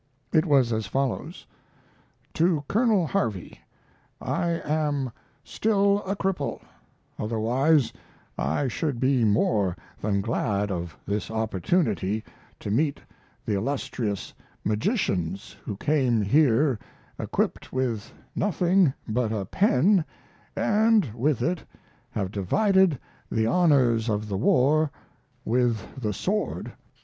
It was as follows: To COLONEL HARVEY, I am still a cripple, otherwise I should be more than glad of this opportunity to meet the illustrious magicians who came here equipped with nothing but a pen, & with it have divided the honors of the war with the sword.